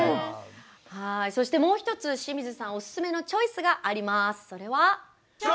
もう１つ、清水さんのおすすめのチョイスがあります。